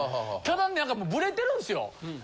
ただブレてるんですよ。